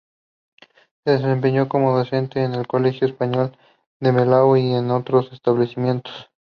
Se desempeñó como docente en el Colegio Español de Malabo y en otros establecimientos.